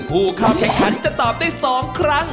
ผู้เข้าแข่งขันจะตอบได้๒ครั้ง